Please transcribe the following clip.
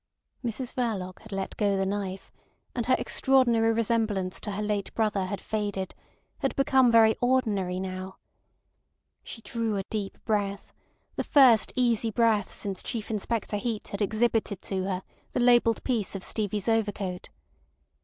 Mrs Verloc had let go the knife, and her extraordinary resemblance to her late brother had faded, had become very ordinary now. She drew a deep breath, the first easy breath since Chief Inspector Heat had exhibited to her the labelled piece of Stevie's overcoat.